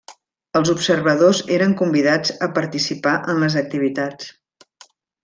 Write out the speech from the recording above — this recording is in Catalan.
Els observadors eren convidats a participar en les activitats.